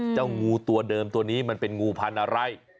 งูตัวเดิมตัวนี้มันเป็นงูพันธุ์อะไร